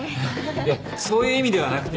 いやそういう意味ではなくて。